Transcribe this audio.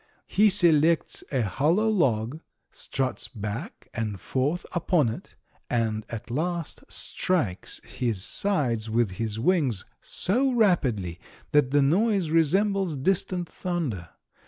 "He selects a hollow log, struts back and forth upon it, and at last strikes his sides with his wings so rapidly that the noise resembles distant thunder.